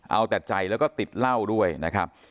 เอาแต่ใจแล้วก็ติดเหล้าด้วยนะครับ